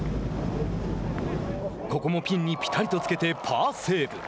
ここもピンにぴたりとつけてパーセーブ。